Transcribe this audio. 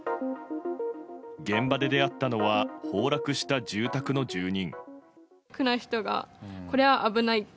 現場で出会ったのは崩落した住宅の住人。